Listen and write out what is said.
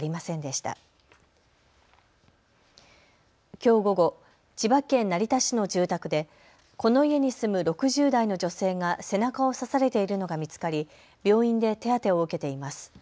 きょう午後、千葉県成田市の住宅でこの家に住む６０代の女性が背中を刺されているのが見つかり病院で手当てを受けています。